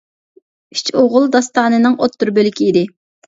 «ئۈچ ئوغۇل» داستانىنىڭ ئوتتۇرا بۆلىكى ئىدى.